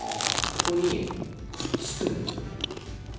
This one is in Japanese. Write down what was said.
ここに、くっつくんですよ。